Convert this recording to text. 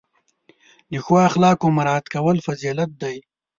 د ښو اخلاقو مراعت کول فضیلت دی.